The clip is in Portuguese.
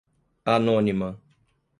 anônima